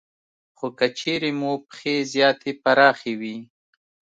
خو که چېرې مو پښې زیاتې پراخې وي